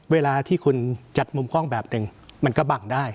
เวลาที่คุณจัดมุมกล้องแบบหนึ่งมันก็บังได้